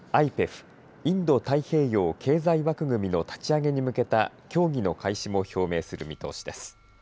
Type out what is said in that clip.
ＩＰＥＦ＝インド太平洋経済枠組みの立ち上げに向けた協議の開始も表明する見通しです。